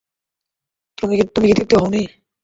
তুমি কি তৃপ্ত হওনি?